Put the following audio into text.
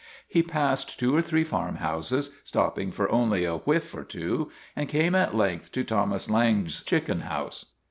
He passed two or three farmhouses, stopping for only a whiff or two, and came at length to Thomas Lange's chicken house.